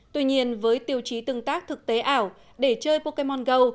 tuy nhiên với tiêu chí tương tác thực tế ảo để chơi pokemon go